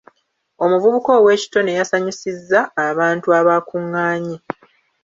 Omuvubuka ow'ekitone yasanyusizza abantu abaakungaanye.